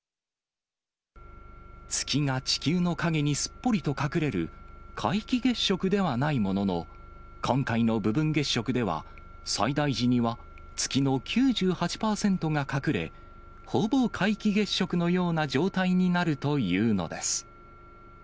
月が地球の影にすっぽりと隠れる皆既月食ではないものの、今回の部分月食では、最大時には月の９８％が隠れ、ほぼ皆既月食のような状態になるというのです。